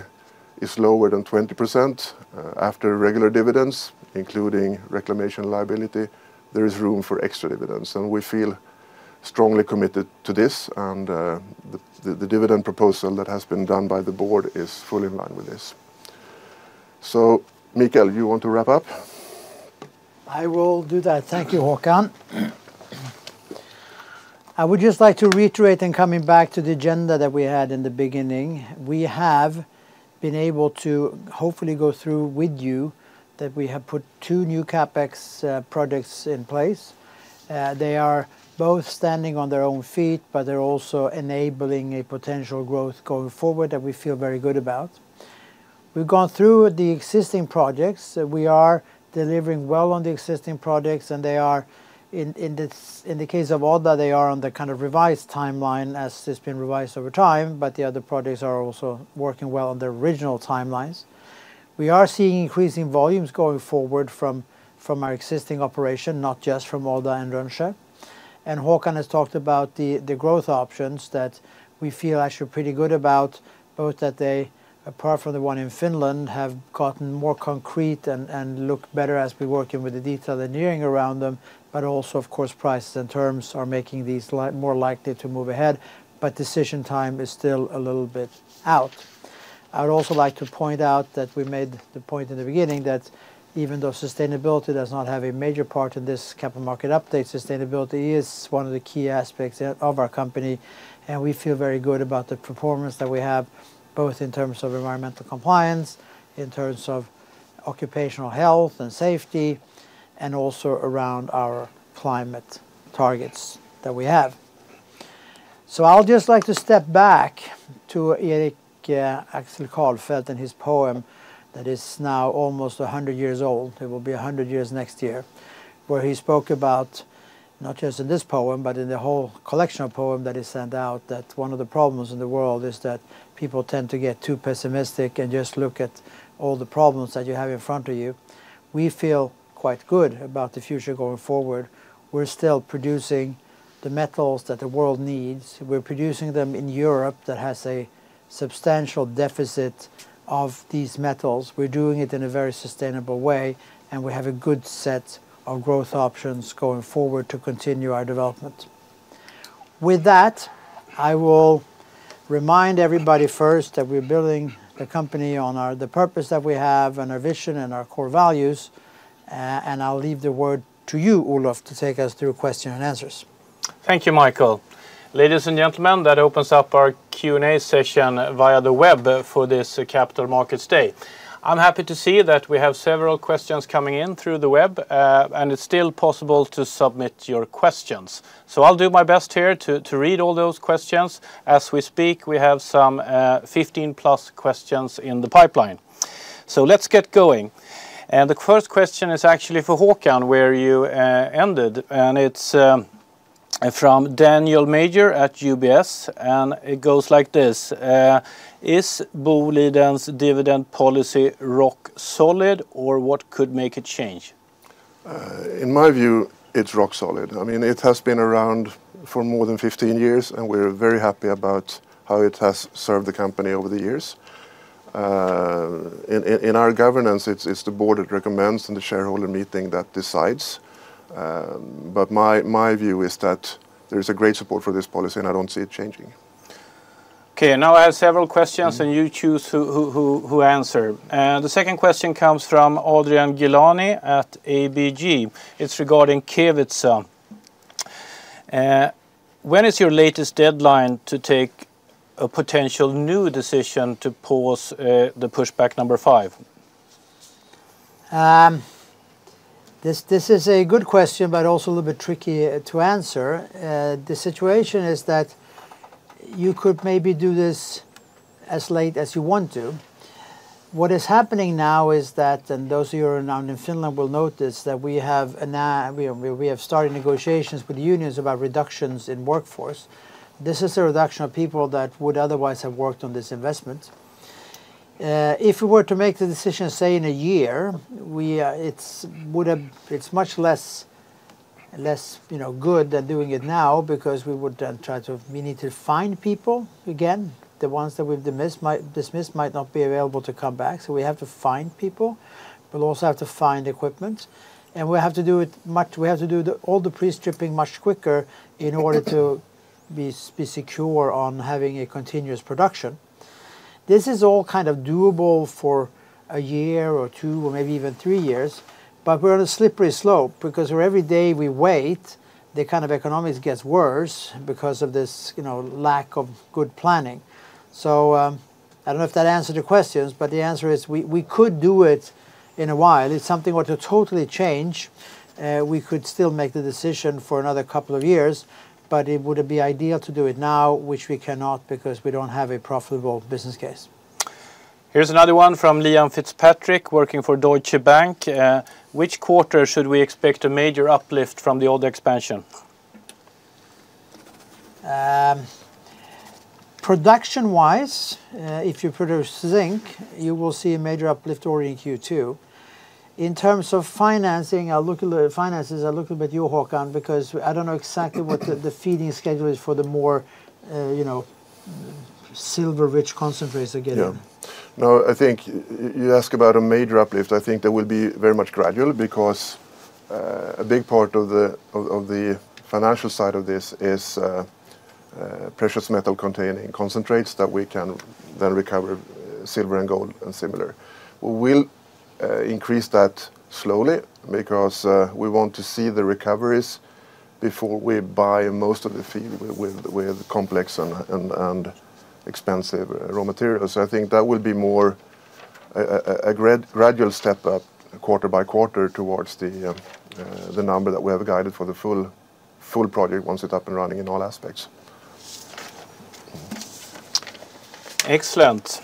is lower than 20%, after regular dividends including reclamation liability, there is room for extra dividends. We feel strongly committed to this, and the dividend proposal that has been done by the board is fully in line with this. Mikael, you want to wrap up? I will do that. Thank you, Håkan. I would just like to reiterate and coming back to the agenda that we had in the beginning, we have been able to hopefully go through with you that we have put two new CapEx projects in place. They are both standing on their own feet, but they're also enabling a potential growth going forward that we feel very good about. We've gone through the existing projects. We are delivering well on the existing projects, and they are in the case of Odda they are on the kind of revised timeline as it's been revised over time, but the other projects are also working well on their original timelines. We are seeing increasing volumes going forward from our existing operation, not just from Odda and Rönnskär. Håkan has talked about the growth options that we feel actually pretty good about, both that they, apart from the one in Finland, have gotten more concrete and look better as we're working with the detailed engineering around them. Also of course prices and terms are making these more likely to move ahead, but decision time is still a little bit out. I would also like to point out that we made the point in the beginning that even though sustainability does not have a major part of this capital market update, sustainability is one of the key aspects of our company, and we feel very good about the performance that we have, both in terms of environmental compliance, in terms of occupational health and safety, and also around our climate targets that we have. I'll just like to step back to Erik Axel Karlfeldt and his poem that is now almost a hundred years old. It will be a hundred years next year, where he spoke about, not just in this poem but in the whole collection of poem that he sent out, that one of the problems in the world is that people tend to get too pessimistic and just look at all the problems that you have in front of you. We feel quite good about the future going forward. We're still producing the metals that the world needs. We're producing them in Europe that has a substantial deficit of these metals. We're doing it in a very sustainable way, and we have a good set of growth options going forward to continue our development. With that, I will remind everybody first that we're building the company on our, the purpose that we have and our vision and our core values, and I'll leave the word to you, Olof, to take us through question and answers. Thank you, Mikael. Ladies and gentlemen, that opens up our Q&A session via the web for this capital markets day. I'm happy to see that we have several questions coming in through the web, and it's still possible to submit your questions. I'll do my best here to read all those questions. As we speak, we have some 15+ questions in the pipeline. Let's get going, and the first question is actually for Håkan where you ended, and it's from Daniel Major at UBS, and it goes like this: "Is Boliden's dividend policy rock solid, or what could make it change? In my view, it's rock solid. I mean, it has been around for more than 15 years, and we're very happy about how it has served the company over the years. In our governance, it's the board that recommends and the shareholder meeting that decides. My view is that there is great support for this policy, and I don't see it changing. Okay. Now I have several questions, and you choose who answer. The second question comes from Adrian Gilani at ABG. It's regarding Kevitsa. When is your latest deadline to take a potential new decision to pause the pushback number five? This is a good question, but also a little bit tricky to answer. The situation is that you could maybe do this as late as you want to. What is happening now is that, and those of you who are now in Finland will notice, that we have started negotiations with the unions about reductions in workforce. This is a reduction of people that would otherwise have worked on this investment. If we were to make the decision, say in a year, it's much less, you know, good than doing it now because we would then try to, we need to find people again. The ones that we've dismissed might not be available to come back, so we have to find people. We'll also have to find equipment, and we'll have to do it. We have to do all the pre-stripping much quicker in order to be secure on having a continuous production. This is all kind of doable for a year or two, or maybe even three years, but we're on a slippery slope because for every day we wait, the kind of economics gets worse because of this, you know, lack of good planning. I don't know if that answered your questions, but the answer is we could do it in a while. It's something we're to totally change. We could still make the decision for another couple of years, but it would be ideal to do it now, which we cannot because we don't have a profitable business case. Here's another one from Liam Fitzpatrick, working for Deutsche Bank. Which quarter should we expect a major uplift from the Odda expansion? Production-wise, if you produce zinc, you will see a major uplift already in Q2. In terms of financing, I'll look a little at finances. I'll look a bit you Håkan because I don't know exactly what the feeding schedule is for the more, you know, silver-rich concentrates are getting. Yeah. No, I think you ask about a major uplift. I think that will be very much gradual because a big part of the financial side of this is precious metal containing concentrates that we can then recover silver and gold and similar. We'll increase that slowly because we want to see the recoveries before we buy most of the feed with complex and expensive raw materials. I think that will be more a gradual step up quarter by quarter towards the number that we have guided for the full project once it's up and running in all aspects. Excellent.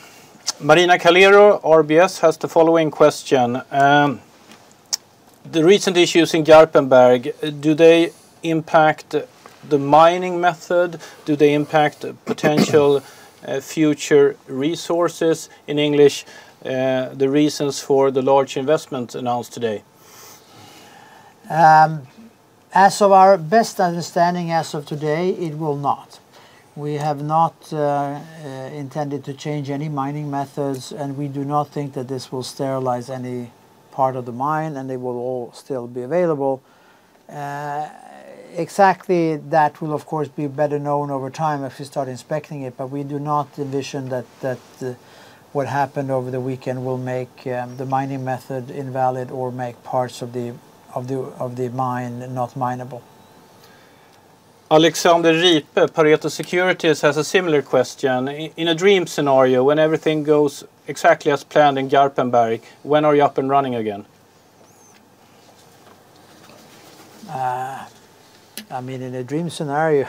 Marina Calero, RBC Capital Markets, has the following question. The recent issues in Garpenberg, do they impact the mining method? Do they impact potential future resources? In English, the reasons for the large investment announced today. As of our best understanding as of today, it will not. We have not intended to change any mining methods, and we do not think that this will sterilize any part of the mine, and they will all still be available. Exactly that will of course be better known over time if you start inspecting it, but we do not envision that what happened over the weekend will make the mining method invalid or make parts of the mine not mineable. Alexander Ripe, Pareto Securities, has a similar question. In a dream scenario, when everything goes exactly as planned in Garpenberg, when are you up and running again? I mean, in a dream scenario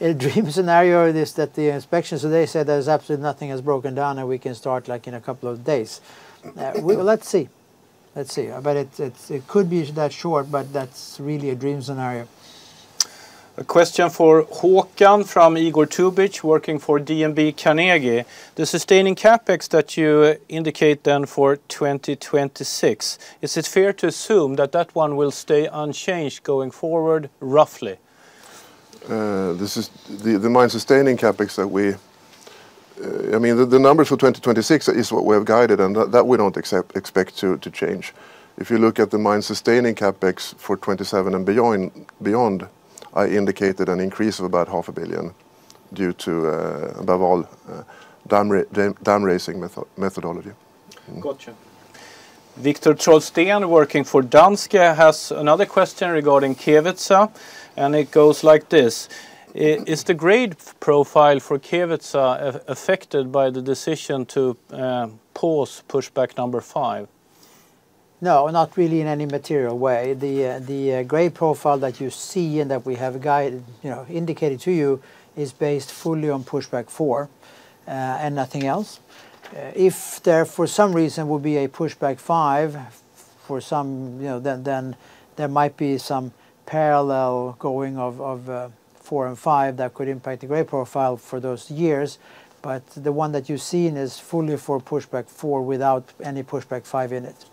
is that the inspections today said there's absolutely nothing has broken down, and we can start, like, in a couple of days. We will, let's see. It's it could be that short, but that's really a dream scenario. A question for Håkan from Igor Tubic, working for DNB Carnegie. The sustaining CapEx that you indicate then for 2026, is it fair to assume that that one will stay unchanged going forward, roughly? This is the mine-sustaining CapEx. I mean, the numbers for 2026 is what we have guided, and that we don't expect to change. If you look at the mine-sustaining CapEx for 2027 and beyond, I indicated an increase of about half a billion SEK due to above all dam raising methodology. Gotcha. Viktor Trollsten, working for Danske, has another question regarding Kevitsa, and it goes like this. Is the grade profile for Kevitsa affected by the decision to pause pushback 5? No, not really in any material way. The grade profile that you see and that we have guided, you know, indicated to you is based fully on pushback four and nothing else. If there, for some reason, will be a pushback five for some, you know, then there might be some parallel going of four and five that could impact the grade profile for those years. The one that you're seeing is fully for pushback four without any pushback five in it.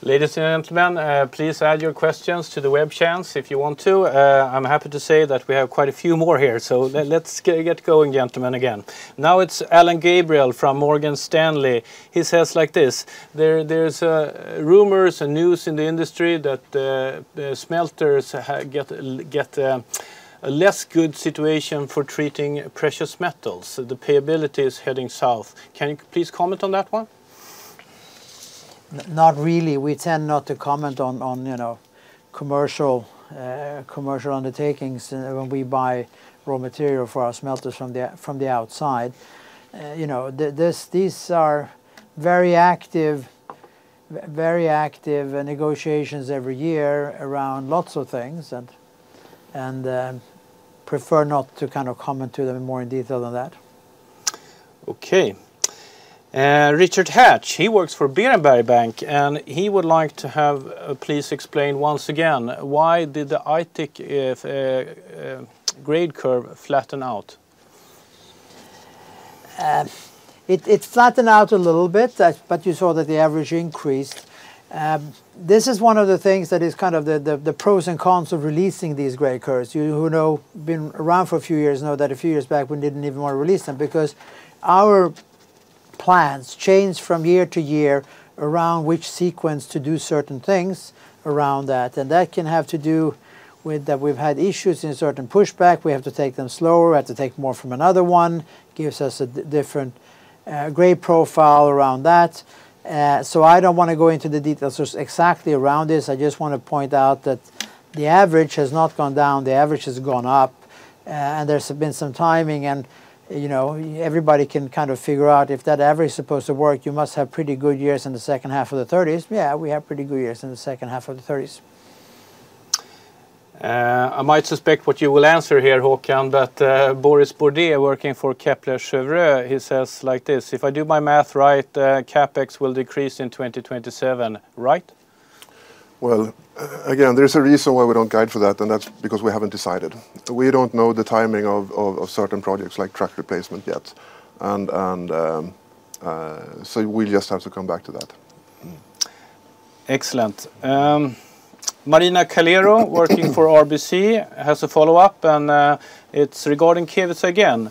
Ladies and gentlemen, please add your questions to the web chats if you want to. I'm happy to say that we have quite a few more here. Let's get going, gentlemen, again. Now, it's Ioannis Masvoulas from Morgan Stanley. He says like this. "There's rumors and news in the industry that the smelters get a less good situation for treating precious metals. The payability is heading south." Can you please comment on that one? Not really. We tend not to comment on, you know, commercial undertakings when we buy raw material for our smelters from the outside. You know, these are very active negotiations every year around lots of things and prefer not to kind of comment on them in more detail than that. Okay. Richard Hatch, he works for Berenberg Bank, and he would like to have, please explain once again, why did the Aitik grade curve flatten out? It flattened out a little bit, but you saw that the average increased. This is one of the things that is kind of the pros and cons of releasing these grade curves. You who've been around for a few years know that a few years back, we didn't even want to release them because our plans change from year to year around which sequence to do certain things around that. That can have to do with that we've had issues and certain pushback. We have to take them slower. We have to take more from another one. Gives us a different grade profile around that. I don't wanna go into the details just exactly around this. I just wanna point out that the average has not gone down, the average has gone up. There's been some timing and, you know, everybody can kind of figure out if that average is supposed to work, you must have pretty good years in the second half of the thirties. Yeah, we have pretty good years in the second half of the thirties. I might suspect what you will answer here, Håkan. Boris Bordier working for Kepler Cheuvreux, he says like this, "If I do my math right, CapEx will decrease in 2027, right? Well, again, there's a reason why we don't guide for that, and that's because we haven't decided. We don't know the timing of certain projects like truck replacement yet, and so we'll just have to come back to that. Excellent. Marina Calero working for RBC has a follow-up, and it's regarding Kevitsa again.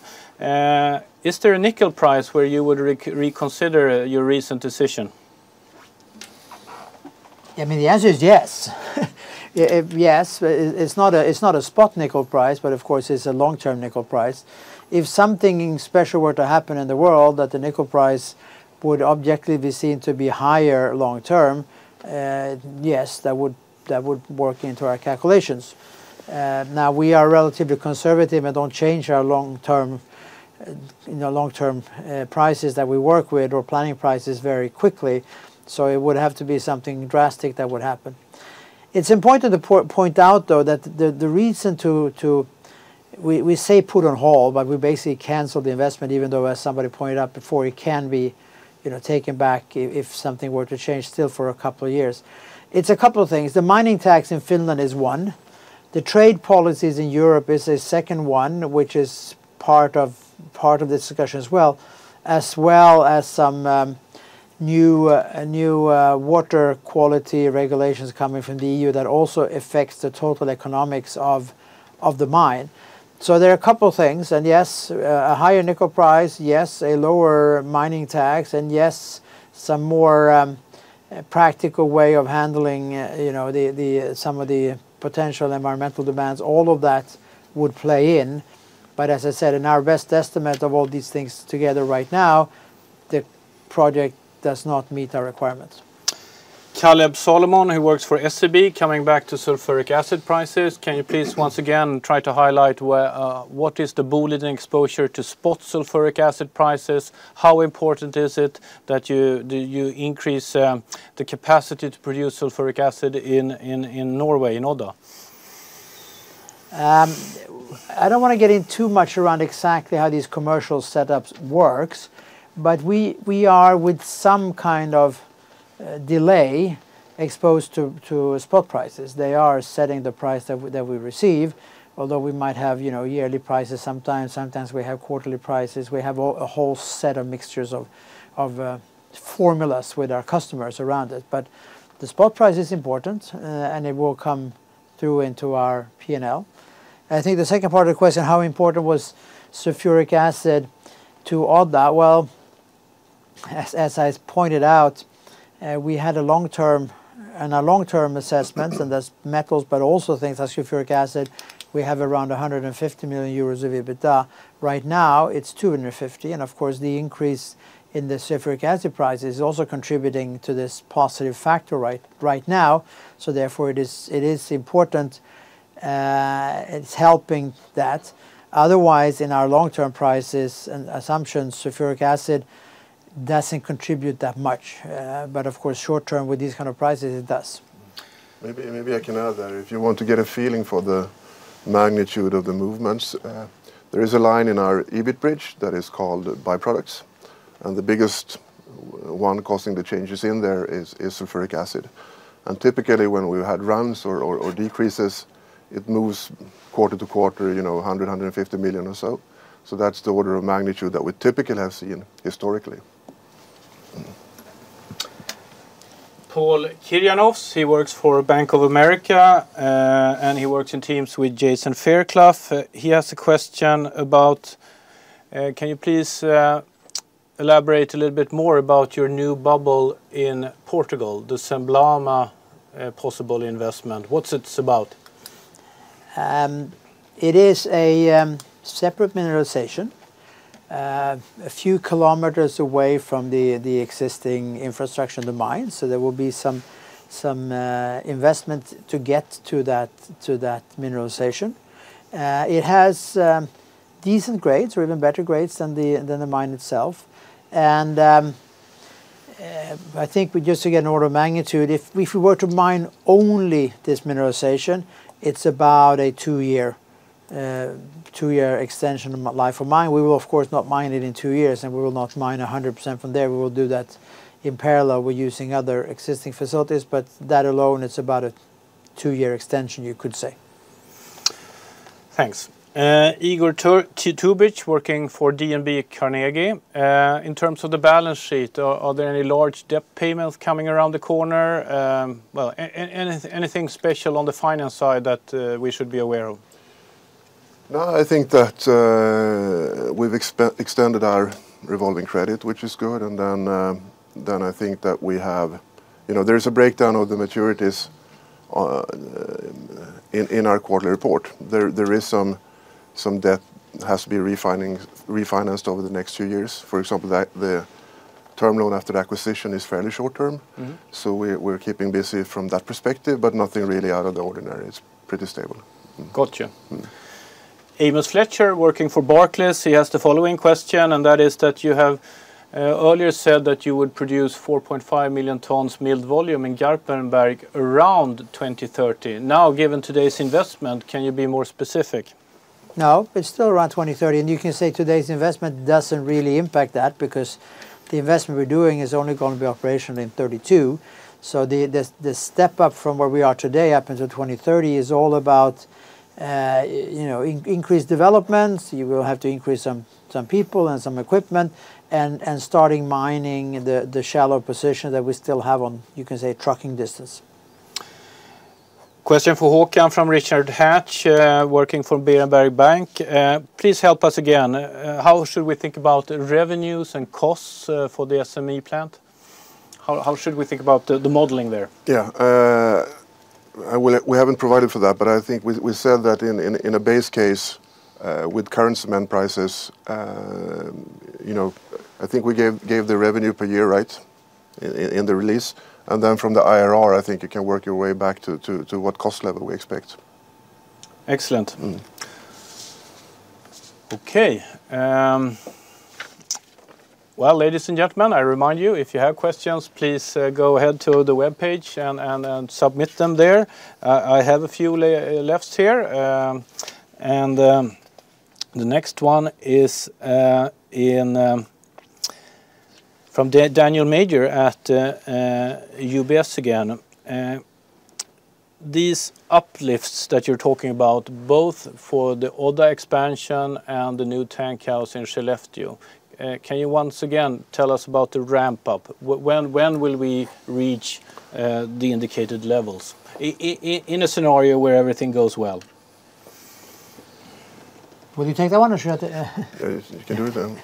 Is there a nickel price where you would reconsider your recent decision? I mean, the answer is yes. Yes, it's not a spot nickel price, but of course it's a long-term nickel price. If something special were to happen in the world that the nickel price would objectively be seen to be higher long term, yes, that would work into our calculations. Now we are relatively conservative and don't change our long-term, you know, long-term prices that we work with or planning prices very quickly, so it would have to be something drastic that would happen. It's important to point out though, that the reason we say put on hold, but we basically canceled the investment even though, as somebody pointed out before, it can be, you know, taken back if something were to change still for a couple of years. It's a couple of things. The mining tax in Finland is one. The trade policies in Europe is a second one, which is part of this discussion as well. As well as some new water quality regulations coming from the EU that also affects the total economics of the mine. There are a couple of things, and yes, a higher nickel price, yes, a lower mining tax, and yes, some more practical way of handling you know, the some of the potential environmental demands, all of that would play in. As I said, in our best estimate of all these things together right now, the project does not meet our requirements. Caleb Solomon, who works for SEB, coming back to sulfuric acid prices. Can you please once again try to highlight where what is the net exposure to spot sulfuric acid prices? How important is it that you increase the capacity to produce sulfuric acid in Norway, in Odda? I don't wanna get in too much around exactly how these commercial setups works, but we are with some kind of delay exposed to spot prices. They are setting the price that we receive, although we might have, you know, yearly prices sometimes. Sometimes we have quarterly prices. We have a whole set of mixtures of formulas with our customers around it. The spot price is important, and it will come through into our P&L. I think the second part of the question, how important was sulfuric acid to Odda? Well, as I pointed out, we had a long term and our long-term assessments, and that's metals but also things like sulfuric acid. We have around 150 million euros of EBITDA. Right now, it's 250, and of course, the increase in the sulfuric acid price is also contributing to this positive factor right now. Therefore it is important. It's helping that. Otherwise, in our long-term prices and assumptions, sulfuric acid doesn't contribute that much. Of course, short term with these kind of prices, it does. Maybe I can add that if you want to get a feeling for the magnitude of the movements, there is a line in our EBIT bridge that is called byproducts, and the biggest one causing the changes in there is sulfuric acid. Typically, when we had runs or decreases, it moves quarter to quarter, you know, 150 million or so. That's the order of magnitude that we typically have seen historically. Pavel Kirjanovs, he works for Bank of America, and he works in teams with Jason Fairclough. He has a question about, can you please elaborate a little bit more about your new bubble in Portugal, the Semblana, possible investment? What's it about? It is a separate mineralization, a few kilometers away from the existing infrastructure of the mine, so there will be some investment to get to that mineralization. It has decent grades or even better grades than the mine itself. I think just to get an order of magnitude, if we were to mine only this mineralization, it's about a two-year extension life of mine. We will, of course, not mine it in two years, and we will not mine 100% from there. We will do that in parallel with using other existing facilities, but that alone is about a two-year extension you could say. Thanks. Igor Tubic working for DNB Carnegie. In terms of the balance sheet, are there any large debt payments coming around the corner? Well, anything special on the finance side that we should be aware of? No, I think that we've extended our revolving credit, which is good. I think that we have. You know, there's a breakdown of the maturities in our quarterly report. There is some debt has to be refinanced over the next two years. For example, the term loan after the acquisition is fairly short term. Mm-hmm. We're keeping busy from that perspective, but nothing really out of the ordinary. It's pretty stable. Gotcha. Mm. Amos Fletcher working for Barclays, he has the following question, and that is that you have earlier said that you would produce 4.5 million tons milled volume in Garpenberg around 2030. Now, given today's investment, can you be more specific? No, it's still around 2030. You can say today's investment doesn't really impact that because the investment we're doing is only gonna be operational in 2032. The step up from where we are today up until 2030 is all about, you know, increased developments. You will have to increase some people and some equipment and starting mining the shallow position that we still have on, you can say, trucking distance. Question for Håkan from Richard Hatch, working for Berenberg Bank. Please help us again. How should we think about revenues and costs for the smelter plant? How should we think about the modeling there? Yeah. We haven't provided for that, but I think we said that in a base case with current cement prices, you know, I think we gave the revenue per year, right, in the release. Then from the IRR, I think you can work your way back to what cost level we expect. Excellent. Mm. Okay. Well, ladies and gentlemen, I remind you, if you have questions, please go ahead to the webpage and submit them there. I have a few left here, and the next one is from Daniel Major at UBS again. These uplifts that you're talking about both for the other expansion and the new tank house in Skellefteå, can you once again tell us about the ramp up? When will we reach the indicated levels in a scenario where everything goes well? Will you take that one or should I? Yes, you can do it then.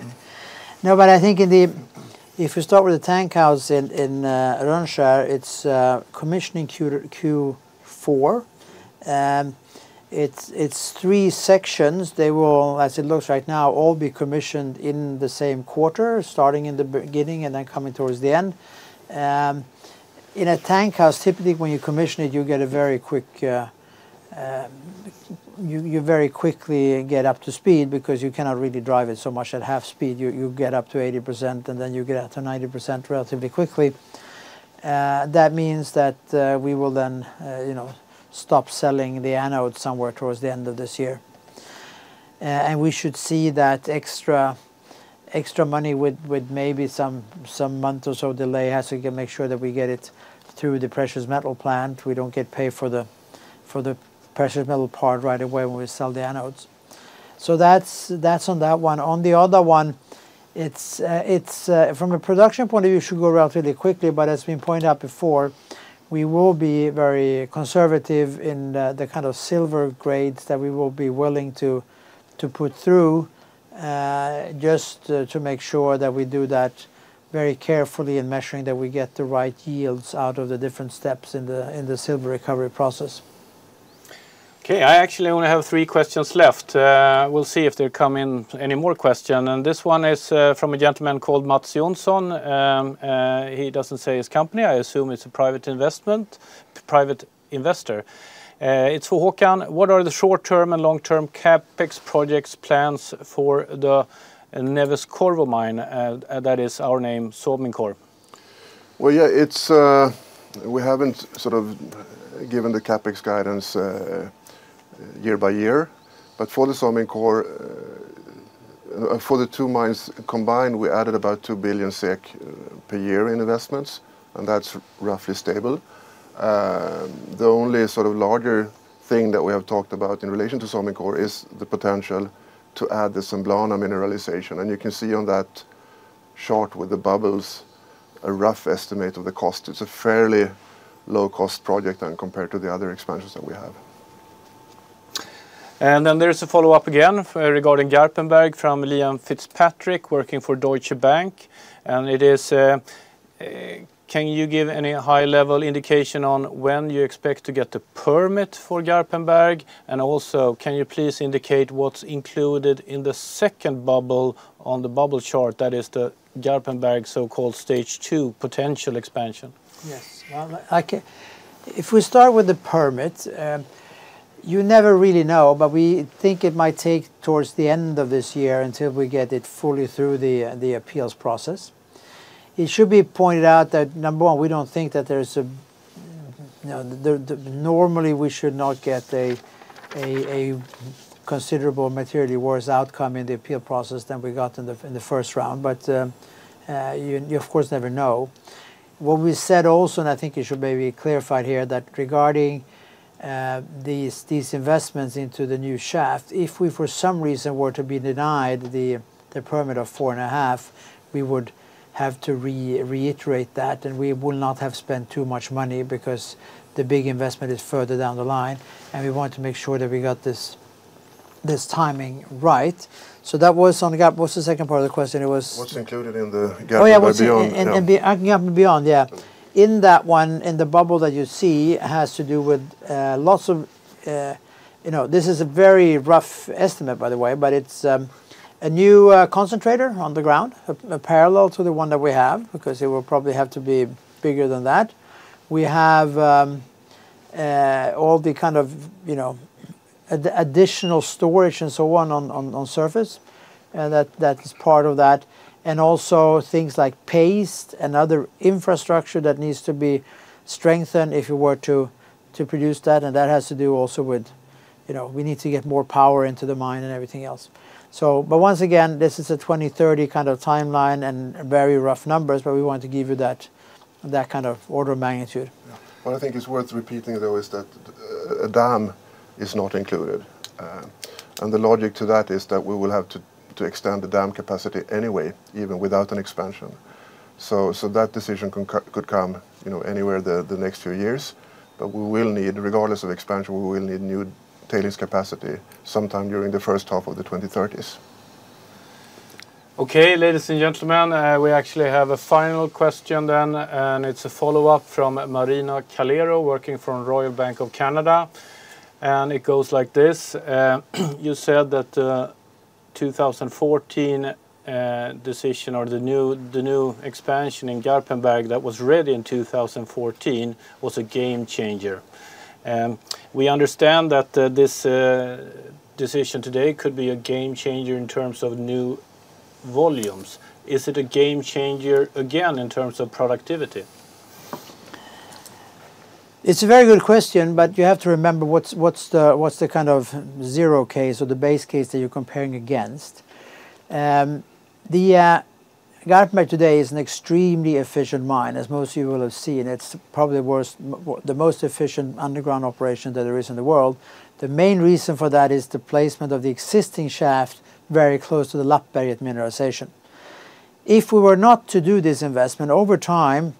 No, I think if we start with the tank house in Rönnskär, it's commissioning Q4. It's three sections. They will, as it looks right now, all be commissioned in the same quarter, starting in the beginning and then coming towards the end. In a tank house, typically when you commission it, you very quickly get up to speed because you cannot really drive it so much at half speed. You get up to 80%, and then you get up to 90% relatively quickly. That means that we will then, you know, stop selling the anodes somewhere towards the end of this year. We should see that extra money with maybe some month or so delay as we can make sure that we get it through the precious metal plant. We don't get paid for the precious metal part right away when we sell the anodes. That's on that one. On the other one, it's from a production point of view. It should go relatively quickly, but as we pointed out before, we will be very conservative in the kind of silver grades that we will be willing to put through, just to make sure that we do that very carefully in measuring that we get the right yields out of the different steps in the silver recovery process. Okay. I actually only have three questions left. We'll see if they come in any more questions. This one is from a gentleman called Mats Jonsson. He doesn't say his company. I assume it's a private investor. It's for Håkan. What are the short-term and long-term CapEx projects plans for the Neves-Corvo mine? That is our name, Somincor. Well, yeah, it's, we haven't sort of given the CapEx guidance, year by year. For the Somincor, for the two mines combined, we added about 2 billion SEK per year in investments, and that's roughly stable. The only sort of larger thing that we have talked about in relation to Somincor is the potential to add the Semblana mineralization. You can see on that chart with the bubbles a rough estimate of the cost. It's a fairly low-cost project than compared to the other expansions that we have. There's a follow-up again regarding Garpenberg from Liam Fitzpatrick working for Deutsche Bank. It is, can you give any high-level indication on when you expect to get the permit for Garpenberg? And also, can you please indicate what's included in the second bubble on the bubble chart that is the Garpenberg so-called stage two potential expansion? Yes. Well, if we start with the permit, you never really know, but we think it might take towards the end of this year until we get it fully through the appeals process. It should be pointed out that number one, we don't think that there's a, you know, normally we should not get a considerable materially worse outcome in the appeal process than we got in the first round. You of course never know. What we said also, and I think it should maybe clarified here that regarding these investments into the new shaft, if we for some reason were to be denied the permit of 4.5, we would have to reiterate that and we would not have spent too much money because the big investment is further down the line, and we want to make sure that we got this timing right. That was on the CapEx. What's the second part of the question? What's included in the Garpenberg beyond? Oh, yeah. In that one, in the bubble that you see has to do with lots of, you know, this is a very rough estimate by the way, but it's a new concentrator on the ground, a parallel to the one that we have because it will probably have to be bigger than that. We have all the kind of, you know, additional storage and so on surface, and that's part of that. Also things like paste and other infrastructure that needs to be strengthened if you were to produce that. That has to do also with, you know, we need to get more power into the mine and everything else. Once again, this is a 2030 kind of timeline and very rough numbers, but we want to give you that kind of order of magnitude. Yeah. What I think is worth repeating though is that a dam is not included. The logic to that is that we will have to to extend the dam capacity anyway, even without an expansion. That decision could come, you know, anywhere the next few years. We will need, regardless of expansion, new tailings capacity sometime during the first half of the 2030s. Okay. Ladies and gentlemen, we actually have a final question, and it's a follow-up from Marina Calero, working from Royal Bank of Canada, and it goes like this. You said that 2014 decision or the new expansion in Garpenberg that was ready in 2014 was a game changer. We understand that this decision today could be a game changer in terms of new volumes. Is it a game changer again, in terms of productivity? It's a very good question, but you have to remember what's the kind of zero case or the base case that you're comparing against. Garpenberg today is an extremely efficient mine, as most of you will have seen. It's probably the most efficient underground operation that there is in the world. The main reason for that is the placement of the existing shaft very close to the Lappberget mineralization. If we were not to do this investment over time,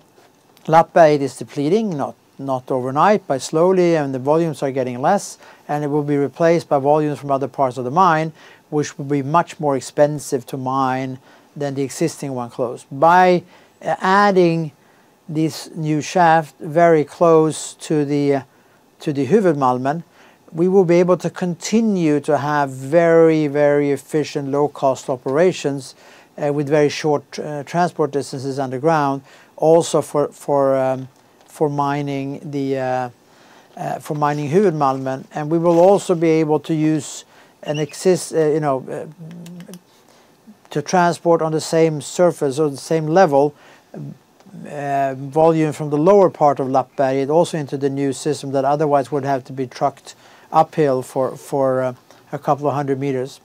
Lappberget is depleting not overnight, but slowly, and the volumes are getting less, and it will be replaced by volumes from other parts of the mine, which will be much more expensive to mine than the existing one close. By adding this new shaft very close to the Huvudmalmen, we will be able to continue to have very, very efficient low-cost operations with very short transport distances underground also for mining Huvudmalmen. We will also be able to use an existing, you know, to transport on the same surface or the same level volume from the lower part of Lappberget also into the new system that otherwise would have to be trucked uphill for a couple of hundred meters.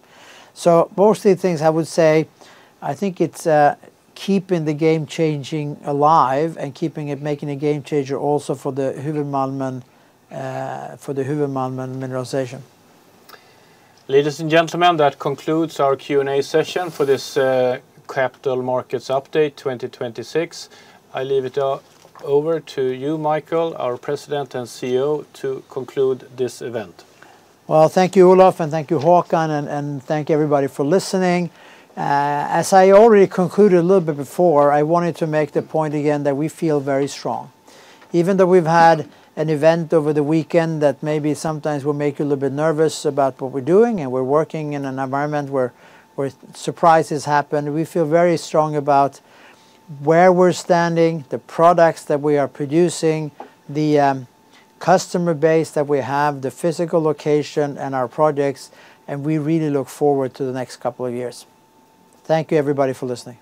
Mostly things I would say, I think it's keeping the game changing alive and keeping it making a game changer also for the Huvudmalmen mineralization. Ladies and gentlemen, that concludes our Q&A session for this capital markets update 2026. I leave it over to you, Mikael, our President and CEO to conclude this event. Well, thank you Olof, and thank you Håkan and thank everybody for listening. As I already concluded a little bit before, I wanted to make the point again that we feel very strong. Even though we've had an event over the weekend that maybe sometimes will make you a little bit nervous about what we're doing, and we're working in an environment where surprises happen. We feel very strong about where we're standing, the products that we are producing, the customer base that we have, the physical location, and our projects, and we really look forward to the next couple of years. Thank you everybody for listening.